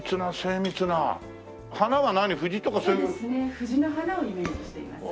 藤の花をイメージしています。